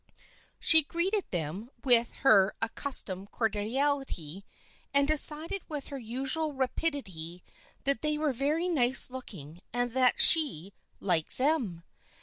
She greeted them with her accus tomed cordiality and decided with her usual rapid ity that they were very nice looking and that she liked them.